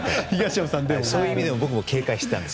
そういう意味でも僕も警戒してたんです。